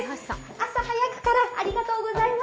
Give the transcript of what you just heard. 朝早くからありがとうございます。